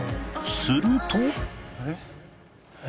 すると